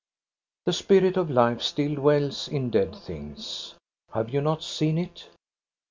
The spirit of life still dwells in dead things. Have you not seen it?